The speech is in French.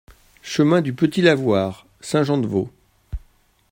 Chemin du Petit Lavoir, Saint-Jean-de-Vaux